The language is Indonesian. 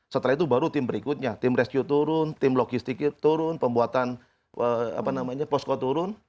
setelah itu baru tim berikutnya tim rescue turun tim logistik turun pembuatan posko turun